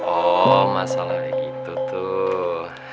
oh masalahnya gitu tuh